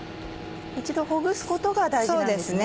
一度ほぐすことが大事なんですね。